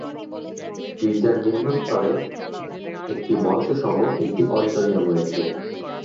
গির্জার নিম্নস্তরে একটি মঞ্চসহ একটি অডিটোরিয়াম রয়েছে।